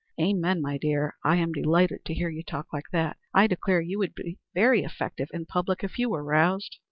"Amen, my dear. I am delighted to hear you talk like that. I declare you would be very effective in public if you were roused."